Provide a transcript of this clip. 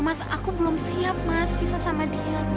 mas aku belum siap mas pisah sama dian